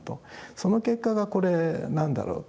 その結果がこれなんだろうと。